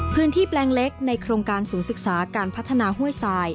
แปลงเล็กในโครงการศูนย์ศึกษาการพัฒนาห้วยทราย